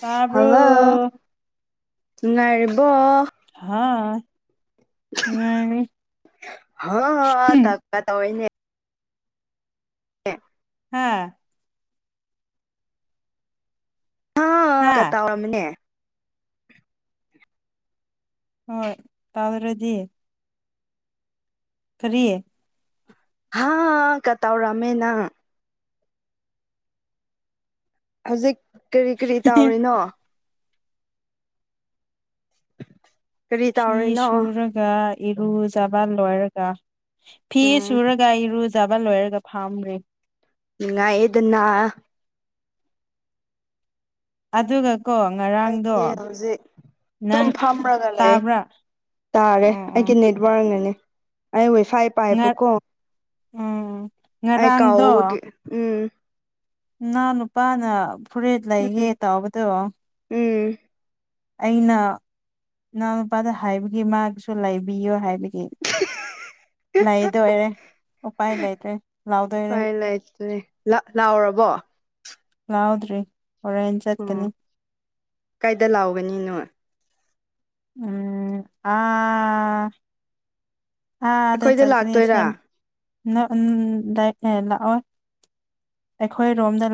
ꯇꯥꯕ꯭ꯔꯣ ꯍꯜꯂꯣ ꯅꯨꯡꯉꯥꯏꯔꯤꯕꯣ ꯍꯥꯥ ꯍꯥ ꯗꯞꯀꯥ ꯇꯧꯋꯦꯅꯦ ꯑ ꯍꯥꯥ ꯑꯥ ꯍꯥ ꯀꯇꯥ ꯑꯃꯅꯦ ꯍꯣꯏ ꯇꯥꯗꯔꯗꯤ ꯐꯔꯤꯌꯦ ꯍꯥꯥ ꯀꯇꯥꯥꯎꯔꯃꯦꯅ ꯍꯧꯖꯤꯛ ꯀꯔꯤ ꯀꯔꯤ ꯇꯧꯔꯤꯅꯣ ꯀꯔꯤ ꯐꯤ ꯇꯧꯔꯤꯅꯣ ꯁꯨꯔꯒ ꯏꯔꯨꯖꯕ ꯂꯣꯏꯔꯒ ꯐꯤ ꯎꯝ ꯁꯨꯔꯒ ꯏꯔꯨ ꯆꯕ ꯂꯣꯏꯔꯦꯒ ꯐꯥꯔꯝꯔꯤ ꯏ ꯉ ꯑꯦ ꯑꯗꯨꯟꯅ ꯑꯗꯨꯒ ꯀꯣ ꯑꯩꯗꯤ ꯉꯔꯥꯡꯗꯣ ꯍꯧꯖꯤꯛ ꯑꯗꯨꯝ ꯅꯪ ꯐꯝꯔꯒ ꯂꯩ ꯇꯥꯕ꯭ꯔꯥ ꯇꯥꯔꯦ ꯎꯝ ꯎꯝ ꯑꯩꯒꯤ ꯅꯦꯠ ꯋꯥꯔꯅꯅꯤ ꯑꯩ ꯋ ꯐꯥꯏ ꯉ ꯄꯥꯏꯕ ꯀꯣ ꯎꯝ ꯑꯀꯑꯣ ꯎꯝ ꯅꯍ ꯅꯨꯄꯥꯅ ꯐꯨꯔꯤꯠ ꯎꯝ ꯂꯩꯒꯦ ꯇꯥꯎꯕꯗꯣ ꯎꯝ ꯑꯩꯅ ꯏꯅꯥꯎꯅꯨꯄꯥꯗ ꯍꯥꯏꯕꯒꯤ ꯃꯥꯒꯤꯁꯨ ꯂꯩꯕꯤꯌꯨ ꯍꯥꯏꯕ ꯑꯗꯒꯤ ꯂꯩꯗꯣꯏꯔꯦ ꯎꯄꯥꯏ ꯂꯩꯔ꯭ꯔꯦ ꯂꯥꯎꯗꯣꯏꯔꯦ ꯂ ꯂꯥꯎꯔꯕꯣ ꯂꯥꯎꯗ꯭ꯔꯤ ꯍꯣꯔꯦꯟ ꯎꯝ ꯆꯠꯀꯅꯤ ꯀꯥꯏꯗ ꯂꯥꯎꯒꯅꯤꯅꯣ ꯎꯝ ꯑꯥ ꯑꯥ ꯑꯗ ꯑꯩꯈꯣꯏꯗ ꯆꯔꯀꯅꯤꯁꯦ ꯂꯥꯛꯇꯣꯏꯔꯥ ꯅ ꯎꯝ ꯂꯥꯛꯑꯣ ꯑꯩꯈꯣꯏ ꯔꯣꯝꯗ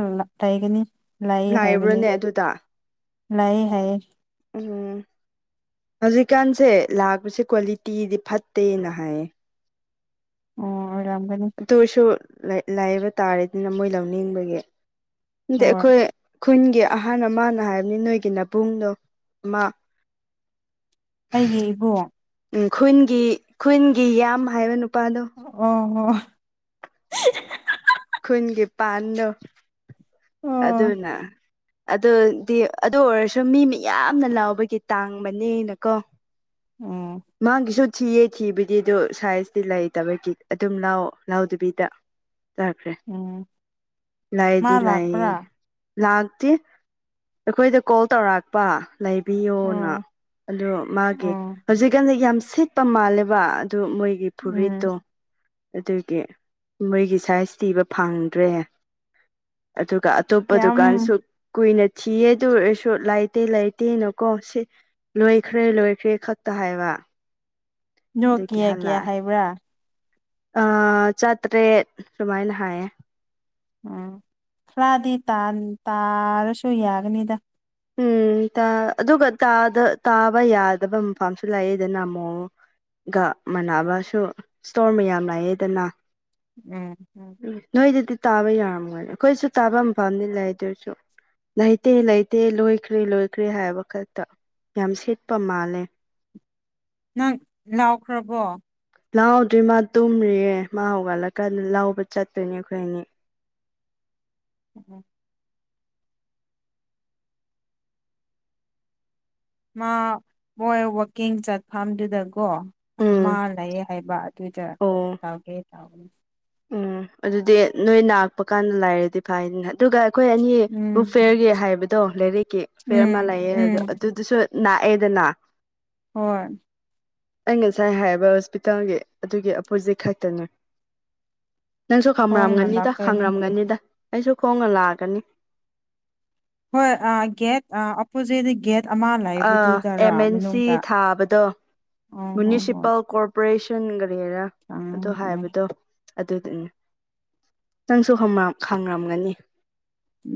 ꯂꯩꯒꯅꯤ ꯂꯩ ꯍꯥꯏꯕꯅꯤ ꯂꯥꯛꯕ꯭ꯔꯣꯅꯦ ꯑꯗꯨꯗ ꯂꯩ ꯍꯥꯏꯌꯦ ꯎꯝ ꯍꯧꯖꯤꯛꯀꯥꯟꯁꯦ ꯂꯥꯛꯄꯁꯦ ꯀ꯭ꯋꯥꯂꯤꯇꯤꯗꯤ ꯐꯠꯇꯦꯅ ꯍꯥꯏꯌꯦ ꯑꯣ ꯑꯣꯏꯔꯝꯒꯅꯤ ꯑꯗꯨꯔꯁꯨ ꯂꯥꯏꯕ ꯇꯥꯔꯦꯅꯤꯅ ꯃꯣꯏ ꯂꯧꯅꯤꯡꯕꯒꯤ ꯑꯇ ꯍꯣꯏ ꯑꯩꯈꯣꯏ ꯈꯨꯟꯒꯤ ꯑꯍꯥꯟꯕ ꯑꯃꯅ ꯍꯥꯏꯕꯅꯤ ꯅꯣꯏꯒꯤꯅꯕꯨꯡꯗꯣ ꯑꯃ ꯑꯩꯒꯤ ꯏꯕꯨꯡꯣ ꯎꯝ ꯈꯨꯟꯒꯤ ꯈꯨꯟꯒꯤ ꯌꯥꯝ ꯍꯥꯏꯕꯅꯨ ꯑꯣ [unintelligible] ꯒꯤ ꯄꯥꯟꯗꯣ ꯑꯣ ꯑꯗꯨꯅ ꯑꯗꯨꯗꯤ ꯑꯗꯨ ꯑꯣꯏꯔꯁꯨ ꯃꯤ ꯃꯤ ꯌꯥꯝꯅ ꯂꯥꯎꯕꯒꯤ ꯇꯥꯡꯕꯅꯦꯅꯀꯣ ꯎꯝ ꯃꯥꯒꯤꯁꯨ ꯊꯤꯌꯦ ꯊꯤꯕꯗꯤ ꯑꯗꯨ ꯁꯥꯏꯖꯇꯤ ꯂꯩꯇꯕꯒꯤ ꯑꯗꯨꯝ ꯂꯥꯛꯑꯣ ꯂꯥꯎꯗꯕꯤꯗ ꯆꯥꯈ꯭ꯔꯦ ꯎꯝ ꯃꯥ ꯂꯥꯏꯑꯗꯤ ꯂꯥꯛꯌꯦ ꯂꯥꯛꯄ꯭ꯔꯥ ꯂꯥꯛꯇꯦ ꯑꯩꯈꯣꯏꯗ ꯀꯣꯜ ꯇꯧꯔꯛꯄ ꯂꯩꯕꯤꯌꯣꯅ ꯎꯝ ꯑꯗꯨ ꯃꯥꯒꯤ ꯎꯝ ꯍꯧꯖꯤꯛꯀꯥꯟꯗꯤ ꯌꯥꯝ ꯁꯤꯠꯄ ꯃꯥꯜꯂꯦꯕ ꯑꯗꯨ ꯃꯣꯏꯒꯤ ꯐꯨꯔꯤꯠꯇꯣ ꯎꯝ ꯑꯗꯨꯒꯤ ꯃꯣꯏꯒꯤ ꯁꯥꯏꯖ ꯊꯤꯕ ꯐꯪꯗ꯭ꯔꯦ ꯑꯗꯨꯒ ꯑꯇꯣꯞꯄ ꯌꯥꯝ ꯗꯨꯀꯥꯟꯁꯨ ꯀꯨꯏꯅ ꯆꯤꯌꯦ ꯑꯗꯨ ꯑꯣꯏꯔꯁꯨ ꯂꯩꯇꯦ ꯂꯩꯇꯦꯅꯀꯣ ꯁꯤ ꯂꯣꯏꯈ꯭ꯔꯦ ꯂꯣꯏꯈ꯭ꯔꯦ ꯈꯛꯇ ꯍꯥꯏꯕ ꯅꯣ ꯀꯌꯥ ꯀꯌꯥ ꯍꯥꯏꯕ꯭ꯔꯥ ꯑ ꯆꯥꯇ꯭ꯔꯦꯠ ꯁꯨꯃꯥꯏꯅ ꯍꯥꯏꯌꯦ ꯎꯝ ꯈꯔꯗꯤ ꯇꯥꯔꯁꯨ ꯌꯥꯒꯅꯤꯗ ꯎꯝ ꯑꯗꯨꯒ ꯇꯥꯕ ꯌꯥꯗꯕ ꯃꯐꯝꯥꯝꯁꯨ ꯂꯥꯛꯑꯗꯅ ꯑꯃꯃꯣꯛ ꯒ ꯃꯅꯕꯁꯨ ꯏꯁꯇꯣꯔ ꯃꯌꯥꯝ ꯂꯥꯛꯑꯦꯗꯅ ꯎꯝ ꯎꯝ ꯅꯣꯏꯗꯗꯤ ꯇꯥꯕ ꯌꯥꯔꯝꯒꯣꯏꯅꯦ ꯑꯩꯈꯣꯏꯁꯨ ꯇꯥꯐꯝ ꯐꯅꯤ ꯂꯩ ꯑꯗꯨꯔꯁꯨ ꯂꯩꯇꯦ ꯂꯩꯇ ꯗꯦ ꯂꯣꯏꯈ꯭ꯔꯦ ꯂꯣꯏꯈ꯭ꯔꯦ ꯍꯥꯏꯕ ꯈꯛꯇ ꯌꯥꯝ ꯁꯦꯠꯄ ꯃꯥꯜꯂꯦ ꯅꯪ ꯂꯥꯎꯈ꯭ꯔꯕꯣ ꯂꯥꯎꯗ꯭ꯔꯤ ꯃꯥ ꯇꯨꯝꯔꯤꯌꯦ ꯃꯥ ꯍꯧꯒꯠꯂꯛꯀꯥꯟꯗ ꯂꯥꯎꯕ ꯆꯠꯇꯣꯏꯅꯦ ꯑꯩꯈꯣꯏ ꯑꯅꯤ ꯎꯝ ꯃꯥ ꯃꯣꯏ ꯋꯀꯤꯡ ꯆꯠꯐꯝꯗꯨꯗꯀꯣ ꯑꯃ ꯎꯝ ꯂꯩ ꯍꯥꯏꯕ ꯑꯗꯨꯨꯇ ꯑꯣ ꯊꯥꯎꯒꯦ ꯊꯥꯎꯅꯤ ꯎꯝ ꯑꯗꯨꯗꯤ ꯅꯣꯏ ꯅꯥꯥꯛꯄ ꯀꯥꯟꯗ ꯂꯥꯏꯔꯗꯤ ꯐꯩꯅꯤꯅ ꯑꯗꯨꯒ ꯑꯩꯈꯣꯏ ꯑꯅꯤ ꯎꯝ ꯕꯨꯛ ꯐꯤꯌꯔꯒꯤ ꯍꯥꯏꯕꯗꯣ ꯂꯥꯏꯔꯤꯛꯀꯤ ꯐꯤꯌꯔ ꯎꯝ ꯑꯃ ꯂꯩꯑꯦ ꯎꯝ ꯍꯥꯏꯕꯗꯣ ꯑꯗꯨꯗꯨꯁꯨ ꯅ ꯑꯦꯗꯅ ꯍꯣꯏ ꯑꯩ ꯉꯁꯥꯏ ꯍꯥꯏꯕ ꯍꯣꯁꯄꯤꯇꯥꯜꯒꯤ ꯑꯗꯨꯒꯤ ꯑꯄꯣꯖꯤꯠ ꯈꯛꯇꯅꯦ ꯅꯪꯁꯨ ꯈꯣꯡꯅ ꯈꯪꯔꯝꯒꯅꯤꯗ ꯂꯥꯛꯇꯣꯏꯅꯦ ꯈꯪꯔꯝꯒꯅꯤꯗ ꯑꯩꯁꯨ ꯈꯣꯡꯅ ꯂꯥꯛꯑꯒꯅꯤ ꯍꯣꯏ ꯑ ꯒꯦꯠ ꯑ ꯑꯣꯄꯣꯖꯤꯠ ꯦꯠ ꯑꯃ ꯂꯥꯛꯏꯕꯗꯨꯖꯔꯣ ꯑꯦꯝ ꯑꯦꯟ ꯁꯤ ꯃꯅꯨꯡꯗ ꯊꯥꯕꯗꯣ ꯑꯣ ꯍꯣꯏ ꯍꯣꯏ ꯔ ꯑꯗꯣ ꯈꯪꯉꯦ ꯍꯥꯏꯕꯗꯣ ꯑꯗꯨꯗꯨꯅꯦ ꯅꯪꯁꯨ ꯍꯥꯡꯔꯝꯒꯅꯤ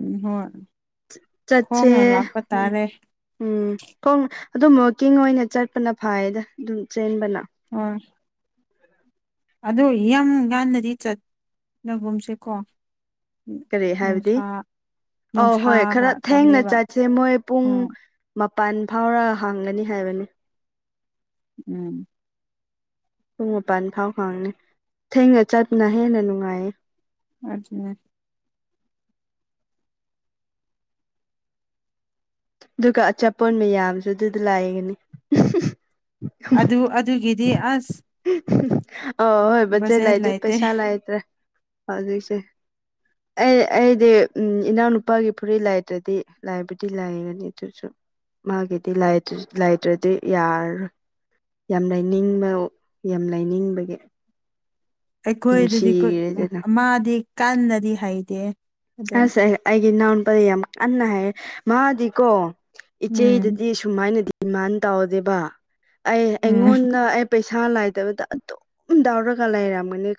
ꯎꯝ ꯍꯣꯏ ꯈꯣꯡꯅ ꯂꯥꯛꯄ ꯇꯥꯔꯦ ꯎꯣꯡ ꯑꯗꯨꯝ ꯋꯀꯤꯡ ꯑꯣꯏꯅ ꯆꯠꯄꯅ ꯐꯥꯏꯌꯦꯗ ꯑꯗꯨꯝ ꯆꯦꯟꯕꯅ ꯑ ꯑꯗꯣ ꯌꯥꯝ ꯉꯥꯟꯟꯅꯗꯤ ꯆꯠꯐꯝꯨꯝꯁꯦꯀꯣ ꯅꯨꯡꯁꯥ ꯑ ꯍꯣꯏ ꯅꯨꯡꯁꯥꯒ ꯈꯔ ꯊꯦꯡꯅ ꯇꯜꯂꯦꯕ ꯆꯠꯁꯦ ꯃꯣꯏ ꯄꯨꯡ ꯎꯝ ꯃꯄꯥꯟ ꯐꯥꯎꯔ ꯍꯥꯡꯒꯅꯤ ꯍꯥꯏꯕꯅꯤ ꯎꯝ ꯄꯨꯡ ꯃꯄꯜ ꯐꯥꯎ ꯐꯪꯅꯤ ꯊꯦꯡꯅ ꯆꯠꯄꯅ ꯍꯦꯟꯅ ꯅꯨꯡꯉꯥꯏꯌꯦ ꯑꯗꯨ ꯑꯗꯨꯒ ꯑꯆꯥꯄꯣꯣꯟ ꯃꯌꯥꯝꯁꯨ ꯑꯗꯨꯗ ꯂꯥꯛꯒꯅꯤ ꯑꯗꯨ ꯑꯗꯨꯒꯤꯗꯤ ꯑꯁ ꯑ ꯍꯣꯏ ꯕꯟꯖꯦ ꯕꯖꯦꯠ ꯂꯩꯗꯦ ꯂꯩꯇꯦ ꯄꯩꯁꯥ ꯂꯥꯛꯗ꯭ꯔꯥ ꯍꯧꯖꯤꯛꯁꯦ ꯑꯩ ꯑꯩꯗꯤ ꯎꯝ ꯏꯅꯥꯎꯅꯨꯄꯥꯒꯤ ꯐꯨꯔꯤ ꯂꯥꯏꯇ꯭ꯔꯗꯤ ꯂꯥꯏꯕꯨꯗꯤ ꯂꯥꯏꯒꯅꯤ ꯑꯗꯨ ꯑꯗꯨꯁꯨ ꯃꯥꯒꯤꯗꯤ ꯂꯥꯏꯇ꯭ꯔꯗꯤ ꯌꯥꯔꯣꯏ ꯌꯥꯝ ꯂꯥꯏꯅꯤꯡꯕ ꯌꯥꯝ ꯂꯥꯏꯅꯤꯡꯕꯒꯤ ꯑꯩꯈꯣꯏꯗꯗꯤ ꯃꯥꯗꯤ ꯀꯟꯅꯗꯤ ꯍꯩꯗꯦ ꯑꯁ ꯑꯩ ꯑꯩꯒꯤ ꯏꯅꯥꯎꯅꯄꯥꯔꯤꯩ ꯌꯥꯝ ꯀꯟꯅ ꯍꯥꯏ ꯃꯥꯗꯤꯀꯣ ꯎꯝ ꯏꯆꯦꯗꯗꯤ ꯁꯨꯃꯥꯏꯅ ꯗꯤꯃꯥꯟ ꯇꯧꯗꯦꯕ ꯑꯩ ꯎꯝ ꯑꯩꯉꯣꯟꯗ ꯑꯩ ꯄꯩꯁꯥ ꯏꯁꯥ ꯂꯥꯏꯗꯕꯗ ꯑꯗꯨꯝ ꯌꯥꯗꯥꯎꯔꯒ ꯂꯩꯔꯝꯒꯅꯤ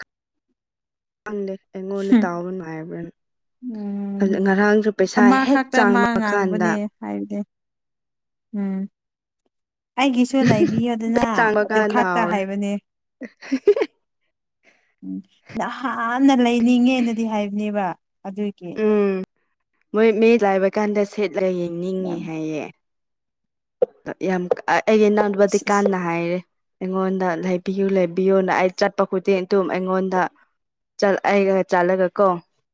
ꯑꯦ ꯑꯦꯉꯣꯟꯅ ꯇꯥꯥꯎꯟ ꯃꯌꯥꯕꯦꯟ ꯎꯝ ꯉꯔꯥꯡꯁꯨ ꯄꯩꯁꯥ ꯍꯦꯛ ꯑꯃꯈꯛꯇ ꯃꯥ ꯆꯥꯡꯕ ꯀꯥꯟꯗ ꯉꯥꯡꯕꯅꯦ ꯍꯥꯏꯕꯗꯤ ꯎꯝ ꯑꯩꯒꯤꯁꯨ ꯂꯩꯕꯤꯌꯣ ꯑꯗꯨꯅ ꯆꯥꯡꯕ ꯑꯗꯨ ꯀꯥꯟꯗ ꯈꯛꯇ ꯍꯥꯎꯔꯦ ꯍꯥꯏꯕꯅꯦ ꯎꯝ ꯅ ꯍꯥꯟꯅ ꯂꯩꯅꯤꯡꯉꯦꯅꯗꯤ ꯍꯥꯏꯕꯅꯦꯕ ꯑꯗꯨꯒꯤ ꯎꯝ ꯃꯣꯏ ꯃ ꯂꯥꯏꯕ ꯀꯥꯟꯗ ꯁꯦꯠꯂ ꯌꯦꯡꯅꯤꯡꯉꯦ ꯌꯥꯝ ꯍꯥꯏꯌꯦꯦ ꯌꯥꯝ ꯑꯩꯒꯤ ꯏꯅꯥꯎꯕꯨꯗꯤ ꯀꯥꯟꯅ ꯍꯥꯏꯔꯦ ꯑꯩꯉꯣꯟꯗ ꯂꯩꯕꯤꯌꯨ ꯂꯩꯕꯤꯌꯨꯅ ꯑꯩ ꯆꯠꯄ ꯈꯨꯗꯤꯡ ꯑꯗꯨꯝ ꯑꯩꯉꯣꯟꯗ ꯑꯩꯒ ꯆꯠꯂꯒ ꯀꯣ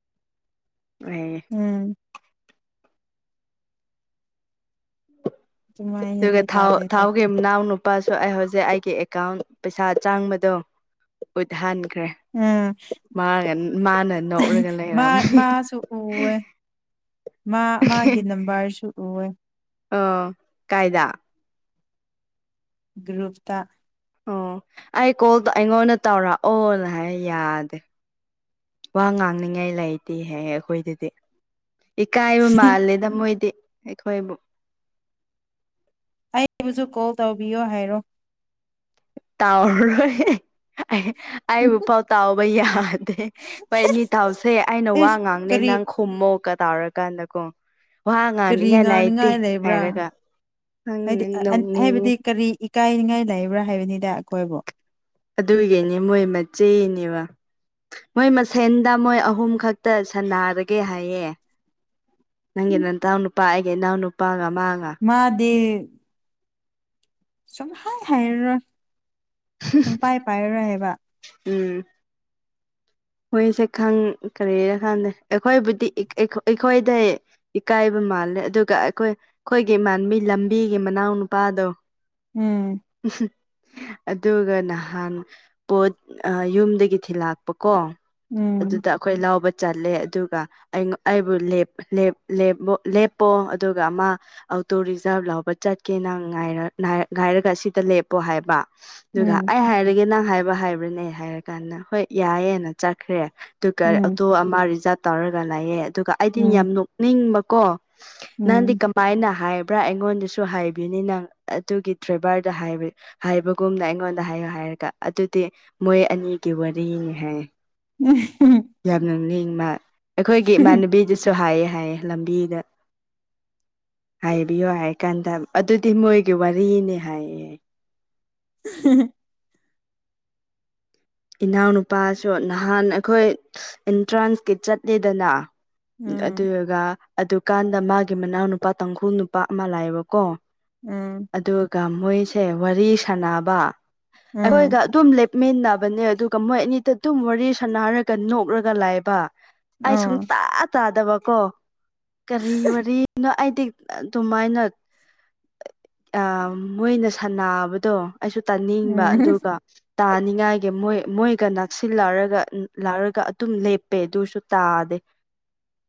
[unintelligible] ꯑ ꯎꯝ ꯒ ꯑꯗꯨꯃꯥꯏꯅꯗꯤ ꯊꯥꯎ ꯇꯥꯗꯦ ꯇꯥꯏ ꯊꯥꯎꯒꯦ ꯅꯥꯎꯅ ꯂꯨꯄꯥꯁꯨ ꯑꯩ ꯍꯧꯖꯤꯛ ꯑꯩꯒꯤ ꯑꯦꯀꯥꯎꯟ ꯄꯩꯁꯥ ꯆꯥꯡꯕꯗꯣ ꯎꯠꯍꯟꯒꯦ ꯠꯈ꯭ꯔꯦ ꯎꯝ ꯃꯥ ꯃꯥꯅ ꯅꯣꯛꯔꯒ ꯃꯥ ꯂꯩꯔꯝꯃꯦ ꯃꯥꯁꯨ ꯎꯋꯦ ꯃꯥ ꯃꯥꯒꯤ ꯅꯝꯕꯔꯁꯨ ꯑꯣꯏ ꯑꯣ ꯀꯥꯏꯗ ꯒ꯭ꯔꯨꯨꯞꯇ ꯑꯣ ꯑꯩ ꯀꯣꯜꯗꯣ ꯑꯩꯉꯣꯟꯗ ꯇꯧꯔꯛꯑꯣꯅ ꯍꯥꯏ ꯌꯥꯗꯦ ꯋꯥ ꯉꯥꯡꯅꯤꯉꯥꯏ ꯂꯩꯇꯍ ꯑꯩꯈꯣꯏꯗꯗꯤ ꯏꯀꯥꯏꯕ ꯃꯥꯜꯂꯦꯗ ꯃꯣꯏꯗꯤ ꯑꯩꯈꯣꯏꯕꯨ ꯑꯩꯕꯨꯁꯨ ꯀꯣꯜ ꯇꯧꯕꯤꯌꯣ ꯍꯥꯏꯔꯣ ꯇꯥꯎꯔꯣꯏ ꯑꯩꯕꯨ ꯄꯥꯎ ꯇꯥꯎꯕ ꯌꯥ ꯍꯣꯏ ꯅꯤꯡꯇꯥꯎꯁꯦ ꯑꯩꯅ ꯋꯥ ꯏꯁ ꯉꯥꯡꯅꯦ ꯀꯔꯤ ꯅꯪ ꯈꯨꯝꯃꯣꯀ ꯇꯥꯎꯔꯀꯥꯟꯗꯀꯣ ꯀꯔꯤ ꯉꯥꯡꯅꯤꯉꯥꯏ ꯂꯩꯕ꯭ꯔꯥ ꯅꯪ ꯍꯥꯏꯗꯤ ꯅꯣꯛꯅꯤꯡꯉꯤ ꯍꯥꯏꯕꯗꯤ ꯀꯔꯤ ꯀꯥꯏꯅꯤꯡꯉꯥꯏ ꯂꯩꯕ꯭ꯔꯥ ꯍꯥꯏꯕꯅꯤꯗ ꯑꯩꯈꯣꯏꯕꯨ ꯑꯗꯨꯒꯤꯅꯤ ꯃꯣꯏ ꯃꯆꯦꯅꯦꯕ ꯃꯣꯏ ꯃꯁꯦꯟꯗ ꯃꯣꯏ ꯑꯍꯨꯝ ꯈꯛꯇ ꯁꯥꯟꯅꯔꯒꯦ ꯍꯥꯏꯌꯦ ꯅꯪꯒ ꯅ ꯇꯥꯎꯅ ꯅꯨꯄꯥ ꯍꯥꯏꯒꯦ ꯅꯎꯅ ꯎꯞꯄꯥ ꯍꯥꯏꯒ ꯃꯥꯗꯦ ꯁꯨꯝ ꯍꯥꯏ ꯍꯥꯏꯔꯔꯣꯏ ꯁꯨꯝ ꯄꯥꯏ ꯄꯥꯏꯔꯔꯣꯏ ꯍꯥꯏꯕ ꯎꯝ ꯃꯣꯏꯁꯦ ꯈꯪ ꯀꯔꯤꯔ ꯀꯥꯟꯗ ꯑꯩꯈꯣꯏꯕꯨꯗꯤ ꯑꯩꯈꯣꯏꯗ ꯏꯀꯥꯏꯕ ꯃꯥꯜꯂꯦ ꯑꯗꯨꯒ ꯑꯩꯈꯣꯏ ꯑꯩꯈꯣꯏꯒꯤ ꯏꯃꯥꯟꯕꯤ ꯂꯝꯕꯤꯒꯤ ꯃꯅꯥꯎ ꯅꯨꯄꯥꯗꯣ ꯎꯝ ꯑꯗꯨꯒ ꯅꯍꯥꯟ ꯄꯣꯠ ꯌꯨꯝꯗꯒꯤ ꯊꯤꯜꯂꯛꯄꯀꯣ ꯎꯝ ꯑꯗꯨꯗ ꯑꯩꯈꯣꯏ ꯂꯥꯎꯕ ꯆꯠꯂꯦ ꯑꯗꯨꯒ ꯑꯩꯕꯨ ꯂꯦꯞꯄꯣ ꯑꯗꯨꯒ ꯑꯃ ꯑꯣꯇꯣ ꯔꯤꯖꯥꯕ ꯂꯧꯕ ꯆꯠꯀꯦ ꯅꯪ ꯉꯥꯏꯔꯒ ꯑꯁꯤꯗ ꯂꯦꯞꯄꯣ ꯍꯥꯏꯕ ꯑꯗꯨꯒ ꯎꯝ ꯑꯩ ꯍꯥꯏꯔꯒꯦ ꯅꯪ ꯍꯥꯏꯕ ꯍꯥꯏꯕ꯭ꯔꯅꯦ ꯍꯥꯏꯔ ꯀꯥꯟꯗ ꯍꯣꯏ ꯌꯥꯏꯌꯦꯦꯅ ꯆꯠꯈ꯭ꯔꯦ ꯑꯗꯨꯒ ꯎꯝ ꯑꯣꯇꯣ ꯑꯃ ꯔꯤꯖꯥꯕ ꯇꯧꯔꯒ ꯂꯥꯛꯑꯦ ꯑꯗꯨꯒ ꯑꯩꯗꯤ ꯌꯥꯝ ꯎꯝ ꯅꯣꯛꯅꯤꯡꯕꯀꯣ ꯅꯍꯥꯟꯗꯤ ꯎꯝ ꯀꯝꯃꯥꯏꯅ ꯍꯥꯏꯕ ꯭ꯔꯥ ꯑꯩꯉꯣꯟꯗꯁꯨ ꯍꯥꯏꯕꯤꯅꯤ ꯅꯪ ꯑꯗꯨꯒꯤ ꯇ꯭ꯔꯦꯚꯔꯗ ꯍꯥꯏꯕꯒꯨꯝꯅ ꯑꯩꯉꯣꯟꯗ ꯍꯥꯏ ꯍꯥꯏꯔꯒ ꯑꯗꯨꯗꯤ ꯃꯣꯏ ꯑꯅꯤꯒꯤ ꯋꯥꯔꯤꯅꯤ ꯍꯥꯏ ꯎꯝ ꯌꯥꯝꯅ ꯅꯤꯡꯃ ꯑꯩꯈꯣꯏꯒꯤ ꯏꯃꯥꯟꯅꯕꯤꯗꯨꯁꯨ ꯍꯥꯏꯌꯦ ꯍꯥꯏꯌꯦ ꯂꯝꯕꯤꯗ ꯍꯥꯏꯕꯤꯌꯣ ꯍꯥꯏ ꯀꯥꯟꯗ ꯑꯗꯨꯗꯤ ꯃꯣꯏꯒꯤ ꯋꯥꯔꯤꯅꯤ ꯍꯥꯏꯌꯦ [inaudible] ꯏꯅꯥꯎꯅꯨꯄꯥꯁꯨ ꯅꯍꯥꯟ ꯑꯩꯈꯣꯏ ꯑꯦꯟꯇ꯭ꯔꯥꯟꯁꯀꯤ ꯆꯠꯂꯤꯗꯅ ꯎꯝ ꯑꯗꯨꯒꯒ ꯑꯗꯨꯀꯥꯟꯗ ꯃꯥꯒꯤ ꯃꯅꯥꯎ ꯅꯨꯄꯥ ꯇꯥꯡꯈꯨꯜ ꯅꯨꯄꯥ ꯑꯃ ꯂꯥꯛꯑꯦꯕꯀꯣ ꯑꯥ ꯑꯗꯨꯒ ꯃꯣꯏꯁꯦ ꯋꯥꯔꯤ ꯁꯥꯟꯅꯕ ꯎꯝ ꯎꯝ ꯑꯩꯈꯣꯏꯒ ꯑꯗꯨꯝ ꯂꯦꯞꯃꯤꯟꯅꯕ ꯑꯗꯨꯒ ꯃꯣꯏ ꯑꯅꯤꯗ ꯑꯗꯨꯝ ꯋꯥꯔꯤ ꯁꯅꯔꯒ ꯅꯣꯛꯂꯒ ꯂꯥꯛꯑꯕ ꯑꯩ ꯑꯥ ꯁꯨꯡꯇ ꯆꯥꯗꯕ ꯀꯣ ꯀꯔꯤꯅꯣ ꯃꯇꯛ ꯑꯗꯨꯃꯥꯏꯅ ꯃꯣꯏꯅ ꯁꯥꯟꯕꯗꯣ ꯑꯩꯁꯨ ꯇꯥꯅꯤꯡꯕ ꯎꯝ ꯑꯗꯨꯒ ꯇꯥꯅꯤꯡꯉꯥꯏꯒꯤ ꯃꯣꯏ ꯃꯣꯏꯒ ꯅꯛꯁꯤꯜꯂꯔꯒ ꯂꯥꯛꯔꯒ ꯑꯗꯨꯝ ꯂꯦꯞꯄꯦ ꯑꯗꯨꯁꯨ ꯇꯥꯗꯦ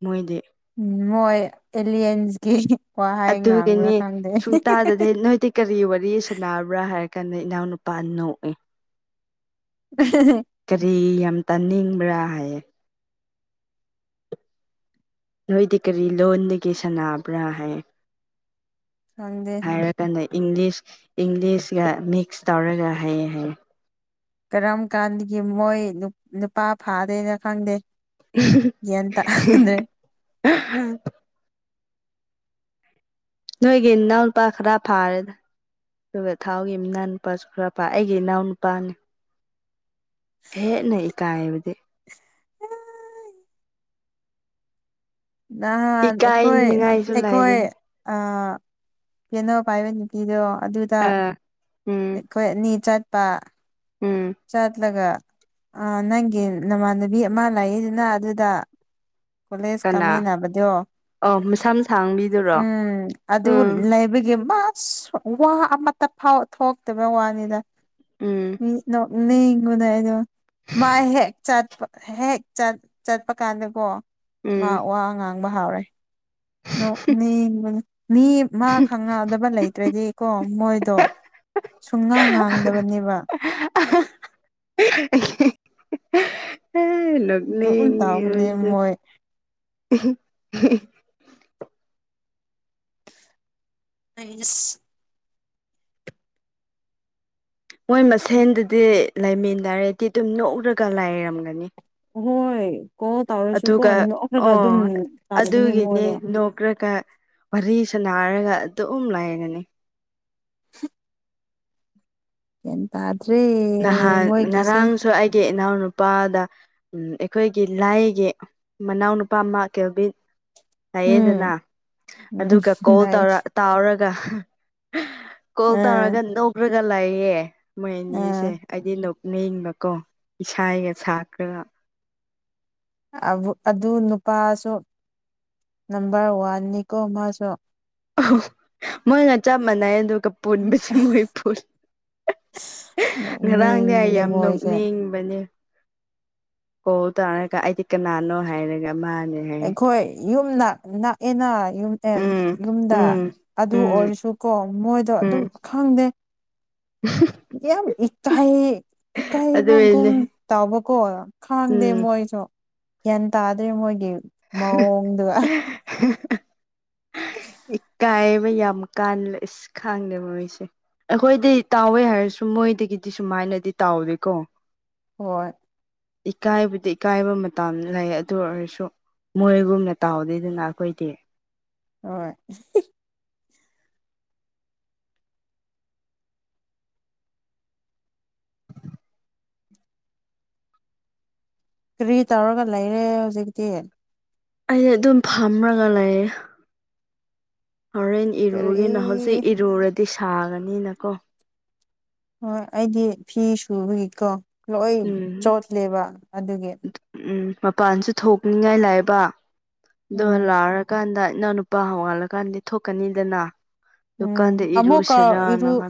ꯃꯣꯏꯗꯦ ꯎꯝ ꯃꯣꯏ ꯑꯦꯂꯤꯌꯟꯁꯀꯤ ꯋꯥꯍꯩ ꯉꯥꯡꯕ꯭ꯔꯥ ꯑꯗꯨꯒꯤꯅꯤ ꯈꯪꯗꯦ ꯁꯨꯡꯇꯥꯗꯗꯤ ꯅꯣꯏꯗꯤ ꯀꯔꯤ ꯋꯥꯔꯤ ꯁꯥꯟꯅꯕ꯭ꯔꯥ ꯍꯥꯏ ꯀꯅꯤ ꯏ ꯑꯣꯅꯨ ꯄꯅꯧꯑ ꯀꯔꯤ ꯌꯥꯝ ꯌꯥꯝ ꯇꯥꯅꯤꯡꯕ꯭ꯔꯥ ꯍꯥꯏꯌꯦ ꯅꯣꯏꯗꯤ ꯀꯔꯤ ꯂꯣꯟꯗꯒꯤꯦ ꯁꯥꯟꯅꯕ꯭ꯔꯥ ꯍꯥꯏ ꯈꯪꯗꯦ ꯍꯥꯏꯀ ꯏꯪꯂꯤꯁ ꯏꯪꯂꯤꯁꯒ ꯃꯤꯛꯁ ꯇꯧꯔꯒ ꯍꯩꯌꯦꯦ ꯍꯥꯏꯌꯦ ꯀꯔꯝ ꯀꯥꯟꯒꯤ ꯃꯣꯏ ꯅꯨꯄꯥ ꯐꯥꯗꯦꯅ ꯈꯪꯗꯦ ꯒ꯭ꯌꯥꯟ ꯇꯥꯗ꯭ꯔꯦ [inaudible] ꯅꯣꯏꯒ ꯏꯅꯥ ꯍꯨ ꯄꯈꯔ ꯐꯥꯔꯦꯗ ꯑꯗꯨꯒ ꯊꯥꯎꯒꯤ ꯏꯅꯥꯎ ꯅꯨꯄꯥ ꯆꯨꯈ꯭ꯔꯄꯥ ꯑꯩꯒꯤ ꯏꯅꯥꯎ ꯅꯨꯄꯥꯅꯤ ꯍꯦ ꯅ ꯏ ꯀꯥꯏꯕꯗꯤ ꯅꯍꯥꯟ ꯑꯩꯈꯣꯏ ꯏꯀꯥꯏꯅꯤꯉꯥꯏꯁꯨ ꯂꯩꯥꯏꯗꯦ ꯑꯩꯈꯣꯏ ꯑ ꯄꯦꯅꯧ ꯄꯥꯏꯕ ꯅꯨꯄꯤꯗꯣ ꯑꯗꯨꯗ ꯑ ꯎꯝ ꯑꯩꯈꯣꯏ ꯑꯅꯤ ꯆꯠ ꯄ ꯎꯝ ꯆꯠꯂꯒ ꯑ ꯅꯪꯒꯤ ꯅꯃꯥꯟꯅꯕꯤ ꯑꯃ ꯂꯥꯛꯏꯗꯨꯅ ꯑꯗꯨꯗ ꯀꯣꯂꯦꯖ ꯀꯅꯥ ꯀꯥꯃꯤꯟꯅꯕꯗꯣ ꯑꯣ ꯃꯁꯝ ꯁꯥꯡꯕꯤꯗꯨꯔꯣ ꯎꯝ ꯑꯗ ꯎꯝ ꯂꯥꯏꯕꯒꯕ ꯑ ꯋꯥ ꯑꯃꯇ ꯐꯥꯎ ꯊꯣꯛꯂꯛꯇꯕꯅ ꯋꯥꯅꯤꯅ ꯎꯝ ꯅꯒꯨꯗꯥꯏꯗ ꯃꯥ ꯍꯦꯛ ꯆꯠꯄ ꯍꯦꯛ ꯆꯠꯄ ꯀꯥꯟꯗꯀꯣ ꯃꯥ ꯎꯝ ꯋꯥ ꯑ ꯉꯥꯡꯕ ꯍꯥꯎꯔꯦ ꯃꯤ ꯃꯥ ꯈꯪꯉꯗꯕ ꯂꯩꯇ꯭ꯔꯗꯤꯀꯣ ꯃꯣꯏꯗꯣ ꯁꯨꯡꯉꯥ ꯉꯥꯡꯗꯕꯅꯦꯕ ꯍ ꯑꯗꯨꯝ ꯇꯧꯕꯅꯦ ꯂꯒꯅꯦꯁ ꯃꯣꯏ ꯃꯥꯏꯅꯁ ꯃꯣꯏ ꯃꯁꯦꯟꯗꯗꯤ ꯂꯩꯃꯤꯟꯅꯟꯅꯔꯦꯗꯤ ꯑꯗꯨꯝ ꯅꯣꯛꯔꯒ ꯂꯥꯏꯔꯝꯒꯅꯤ ꯍꯣꯏ ꯀꯣꯜ ꯇꯧꯔꯁꯨꯀꯣ ꯑꯗꯨꯒ ꯅꯣꯛꯔꯒ ꯑꯣ ꯑꯗꯨꯝ ꯇꯧꯕꯅꯦ ꯑꯗꯨꯒꯤꯅꯦ ꯃꯣꯏꯗꯣ ꯅꯣꯛꯒ꯭ꯔꯒ ꯋꯥꯔꯤ ꯁꯅ ꯍꯥꯏꯔꯒ ꯑꯗꯨ ꯎꯝ ꯂꯥꯏꯒꯅꯤ ꯍ ꯑꯦ ꯅꯍꯥꯟ ꯉꯔꯥꯡꯁꯨ ꯑꯩꯒꯤ ꯃꯅꯥꯎ ꯅꯨꯄꯥꯗ ꯎ ꯑꯩꯈꯣꯏꯒꯤ ꯂꯥꯏꯒꯤ ꯃꯅꯥꯎꯅꯨꯄꯥ ꯑꯃ ꯀꯩꯕꯤ ꯍꯥꯏꯌꯦꯗꯅ ꯎꯝ ꯎꯝ ꯑꯗꯨꯒ ꯀꯣꯜ ꯂꯩ ꯇꯧꯔ ꯇꯥꯎꯔꯒ ꯀꯣꯜ ꯑꯥ ꯇꯧꯔꯒ ꯅꯧꯈ꯭ꯔꯒ ꯂꯥꯛꯌꯦꯦ ꯃꯣꯏ ꯑꯅꯤꯁ ꯑꯥ ꯍꯥꯏꯗꯤ ꯂꯣꯛꯅ ꯏꯤꯡꯕꯀꯣ ꯏꯁꯥꯒ ꯁꯥꯈ꯭ꯔꯒ ꯑꯗꯨ ꯅꯨꯄꯥꯁꯨ ꯅꯝꯕꯝꯕꯔ ꯋꯥꯟ ꯅꯅꯤꯀꯣ ꯃꯥꯁꯨꯣ ꯑ ꯃꯣꯏꯒ ꯆꯞ ꯃꯥꯟꯅꯩ ꯑꯗꯨꯒ ꯄꯨꯟꯕꯁꯦ ꯃꯣꯏ ꯄꯨꯜꯂꯤ ꯉꯔꯥꯡꯅꯦ ꯑꯩ ꯅꯣꯛꯅꯤꯡꯕꯅꯦ ꯌꯥꯝ ꯅ ꯃꯣꯏꯁꯦ ꯅꯤꯡꯕꯅꯦ ꯍꯣ ꯇꯅꯒ ꯑꯩꯗꯤ ꯀꯅꯥꯅꯣ ꯍꯥꯏꯔꯒ ꯃꯥꯅꯦ ꯍꯥꯏ ꯑꯩꯈꯣꯏ ꯌꯨꯝ ꯅꯛꯑꯦꯅꯨꯝ ꯎꯝ ꯌꯨꯝꯗ ꯎꯝ ꯑꯗꯨ ꯎꯝ ꯑꯣꯏꯔꯁꯨꯀꯣ ꯃꯣꯏꯗꯣ ꯎꯝ ꯑꯗꯨꯝ ꯈꯪꯗꯦ ꯌꯦ ꯏꯇ ꯍ ꯏꯀꯥꯏꯕꯒꯨꯝ ꯑꯗꯨꯒꯤꯅꯦ ꯇꯥꯎꯕꯀꯣ ꯈꯥꯡꯗꯦ ꯎꯝ ꯃꯣꯏꯁꯨ ꯒ꯭ꯌꯥꯟ ꯇꯥꯗ꯭ꯔꯦ ꯃꯣꯏꯒꯤ ꯃꯑꯣꯡꯗꯨ ꯏꯀꯥꯏꯕ ꯌꯥꯝ ꯀꯥꯟꯂꯦ ꯑꯁ ꯈꯥꯡꯗꯦ ꯃꯣꯏꯁꯦ ꯑꯩꯈꯣꯏꯗꯤ ꯇꯥꯎꯋꯦ ꯍꯥꯏꯔꯁꯨ ꯃꯣꯏꯗꯒꯤꯗꯤ ꯁꯨꯃꯥꯏꯅꯗꯤ ꯇꯥꯎꯗꯦꯀꯣ ꯍꯣꯏ ꯏꯀꯥꯏꯕꯗꯤ ꯏꯀꯥꯏꯕ ꯃꯇꯝ ꯂꯩ ꯑꯗꯨ ꯑꯣꯏꯔꯁꯨ ꯃꯣꯔꯦꯒꯨꯝꯅ ꯇꯥꯎꯍꯧꯗꯣꯏꯗꯅ ꯑꯩꯈꯣꯏꯗꯤ ꯍꯣꯏ ꯀꯔꯤ ꯇꯧꯔꯒ ꯂꯩꯔꯦ ꯍꯧꯖꯤꯛꯇꯤ ꯑꯩ ꯑꯗꯨꯝ ꯐꯝꯔꯒ ꯂꯩꯌꯦ ꯍꯣꯔꯦꯟ ꯀꯔꯤ ꯏꯔꯨꯒꯦꯅ ꯍꯧꯖꯤꯛ ꯏꯔꯨꯔꯗꯤ ꯁꯥꯒꯅꯤꯅꯀꯣ ꯍꯣꯏ ꯑꯩꯗꯤ ꯐꯤ ꯁꯨꯀꯣ ꯂꯣꯏ ꯎꯝ ꯆꯣꯠꯂꯦꯕ ꯑꯗꯨꯒꯤ ꯎꯝ ꯃꯄꯥꯟꯁꯨ ꯊꯣꯛꯅꯤꯡꯉꯥꯏ ꯂꯥꯏꯕ ꯑꯣ ꯎꯝ ꯂꯥꯛꯔꯀꯥꯟꯗ ꯅꯪ ꯅꯨꯄꯥ ꯍꯣꯡꯉꯥꯜꯂꯀꯥꯟꯗꯤ ꯊꯣꯛꯀꯅꯤꯗꯅ ꯗꯨꯀꯥꯟꯗ ꯎꯝ ꯑꯃꯨꯛꯀ ꯏꯔꯨꯁꯦꯅꯅ ꯏꯔꯨ